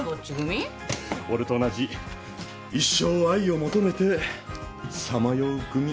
俺と同じ一生愛を求めてさまよう組。